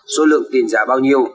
số lượng tiền giả bao nhiêu